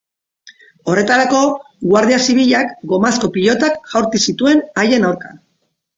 Horretarako, Guardia Zibilak gomazko pilotak jaurti zituen haien aurka.